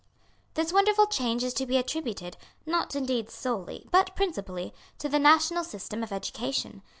This wonderful change is to be attributed, not indeed solely, but principally, to the national system of education.